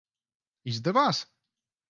Izdevās?